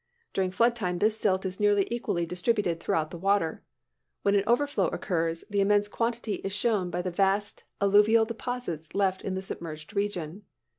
During flood time this silt is nearly equally distributed throughout the water. When an overflow occurs, the immense quantity is shown by the vast alluvial deposits left in the submerged region.